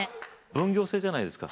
分業制じゃないですか。